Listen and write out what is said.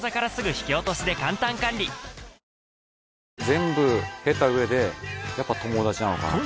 全部経た上でやっぱ友達なのかなって。